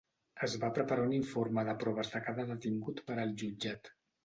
Es va preparar un informe de proves de cada detingut per al jutjat.